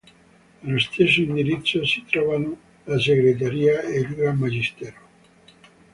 Allo stesso indirizzo si trovano la segreteria e il Gran magistero.